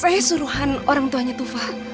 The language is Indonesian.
saya suruhan orang tuanya tufa